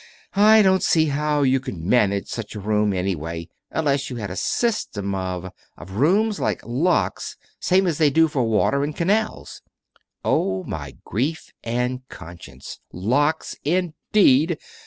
I don't see how you could manage such a room, anyway, unless you had a system of of rooms like locks, same as they do for water in canals." "Oh, my grief and conscience locks, indeed!"